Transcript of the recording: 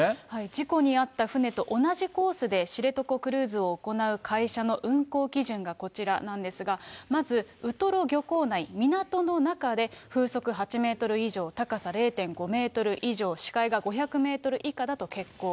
事故に遭った船と同じコースで知床クルーズを行う会社の運航基準がこちらなんですが、まず、ウトロ漁港内、港の中で風速８メートル以上、高さ０．５メートル以上、視界が５００メートル以下だと欠航。